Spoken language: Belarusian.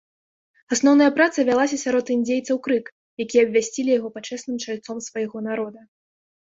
Асноўная праца вялася сярод індзейцаў крык, якія абвясцілі яго пачэсным чальцом свайго народа.